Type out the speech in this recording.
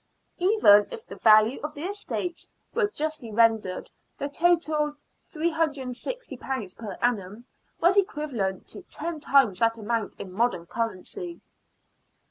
Even if the value of the estates were justly rendered, the total, ;^36o per annum, was equivalent to ten times that amount in modem currency.